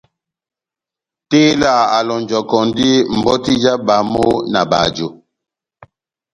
Tela a lonjɔkɔndi mbɔti ja bamo na bajo.